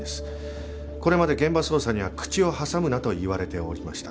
これまで現場捜査には口を挟むなと言われておりました。